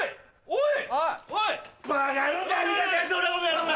おい！